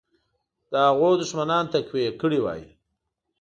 د هغوی دښمنان تقویه کړي وای.